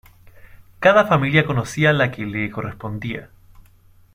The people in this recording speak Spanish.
Cada familia conocía la que le correspondía.